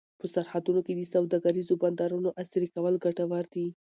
په سرحدونو کې د سوداګریزو بندرونو عصري کول ګټور دي.